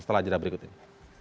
setelah jadwal berikut ini